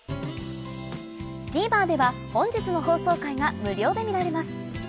ＴＶｅｒでは本日の放送回が無料で見られます